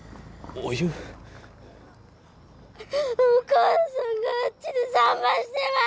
お母さんがあっちで産婆してます